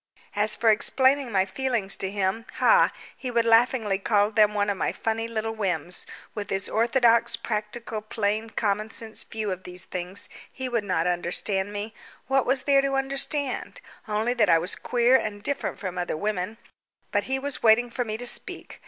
As for explaining my feelings to him ha! He would laughingly call them one of my funny little whims. With his orthodox, practical, plain, commonsense views of these things, he would not understand me. What was there to understand? Only that I was queer and different from other women. But he was waiting for me to speak.